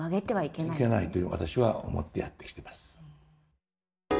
いけないと私は思ってやってきてます。